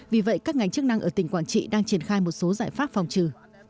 vì vậy các ngành chức năng ở tỉnh quảng trị đang triển khai một số giải pháp phòng trừ